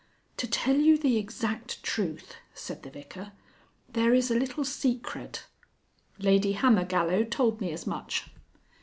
"To tell you the exact truth," said the Vicar, "there is a little secret " "Lady Hammergallow told me as much."